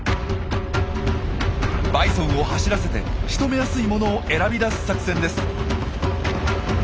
バイソンを走らせてしとめやすいものを選び出す作戦です。